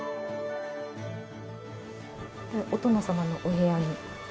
お殿様のお部屋です。